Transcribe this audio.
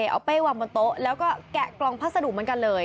เอาเป้วางบนโต๊ะแล้วก็แกะกล่องพัสดุเหมือนกันเลย